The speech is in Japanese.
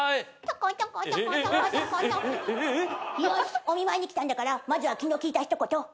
よしお見舞いに来たんだからまずは気の利いた一言。